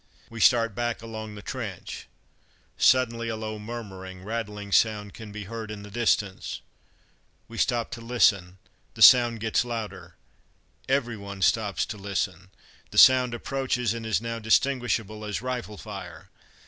We start back along the trench. Suddenly a low murmuring, rattling sound can be heard in the distance. We stop to listen, the sound gets louder; everyone stops to listen the sound approaches, and is now distinguishable as rifle fire.